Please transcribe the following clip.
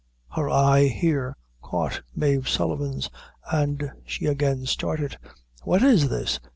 Her eye here caught Mave Sullivan's, and she again started. "What is this?"